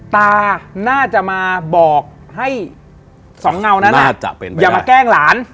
ตาน่าจะมาบอกให้สองเงานั้นน่ะน่าจะเป็นไปได้อย่ามาแกล้งหลาน